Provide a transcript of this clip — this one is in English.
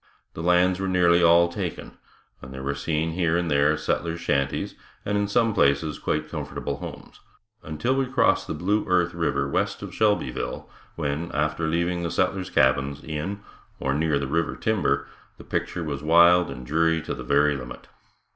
The lands were nearly all taken and there were seen here and there settlers' shanties, and in some places quite comfortable homes, until we crossed the Blue Earth river west of Shelbyville, when, after leaving the settlers' cabins in or near the river timber, the picture was wild and dreary to the very limit.